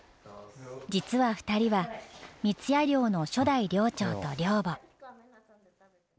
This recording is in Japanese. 実は２人は三矢寮の初代寮長と寮母。